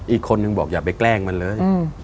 อีกคนนึงบอกอย่าไปแกล้งมันเลย